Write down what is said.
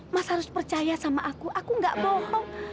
mas harus percaya sama aku aku gak bohong